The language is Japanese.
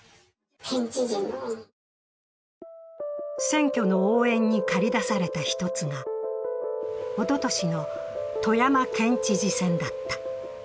選挙の応援にかりだされた一つがおととしの富山県知事選だった。